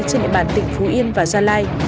trên địa bàn tỉnh phú yên và gia lai